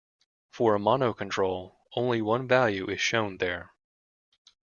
For a mono control, only one value is shown there.